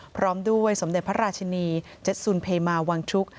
พร้อมด้วยสมเด็จพระราชินีเจ็ดสุนเพมาวังชุก